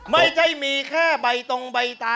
ไม่ใช่มีแค่ใบตรงใบตา